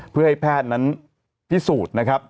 เพื่อให้แพทย์นั้นพิสูจน์นะครับ